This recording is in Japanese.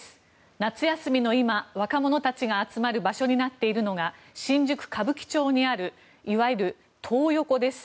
夏休みの今、若者たちが集まる場所になっているのが新宿・歌舞伎町にあるいわゆるトー横です。